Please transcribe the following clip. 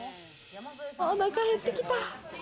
お腹減ってきた。